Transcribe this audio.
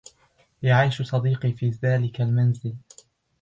يعيش صديقي في ذلك المنزل.